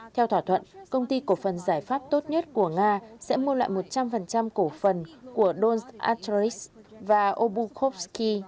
theo thỏa thuận công ty cổ phần giải pháp tốt nhất của nga sẽ mua lại một trăm linh cổ phần của donatris và obukhovsky